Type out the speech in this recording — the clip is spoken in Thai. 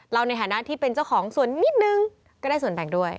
ในฐานะที่เป็นเจ้าของส่วนนิดนึงก็ได้ส่วนแบ่งด้วย